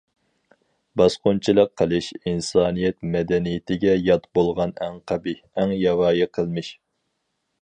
باسقۇنچىلىق قىلىش ئىنسانىيەت مەدەنىيىتىگە يات بولغان ئەڭ قەبىھ، ئەڭ ياۋايى قىلمىش.